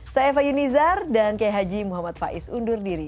saya fahyul nizar dan kehaji muhammad faiz undur diri